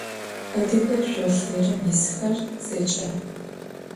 Адыгэ шъолъырым исхэр зэкӏэ.